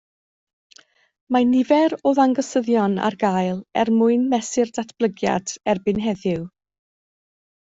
Mae nifer o ddangosyddion i gael er mwyn mesur datblygiad erbyn heddiw